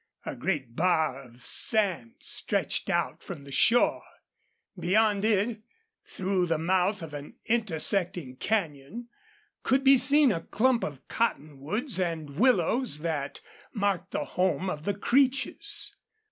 A great bar of sand stretched out from the shore. Beyond it, through the mouth of an intersecting canyon, could be seen a clump of cottonwoods and willows that marked the home of the Creeches.